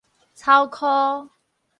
草箍